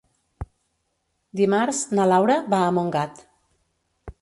Dimarts na Laura va a Montgat.